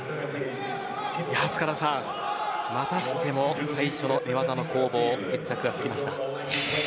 またしても最初の寝技の攻防決着がつきました。